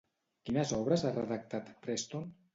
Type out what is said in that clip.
Quines obres ha redactat Preston?